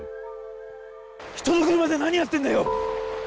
人の車で何やってんだよ！